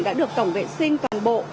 đã được tổng vệ sinh toàn bộ